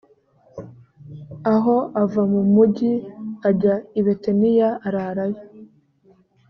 aho ava mu mugi ajya i betaniya ararayo